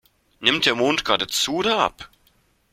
Nimmt der Mond gerade zu oder ab?